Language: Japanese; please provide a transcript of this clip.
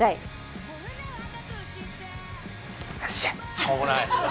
しょうもない！